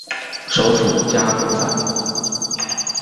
首府加夫萨。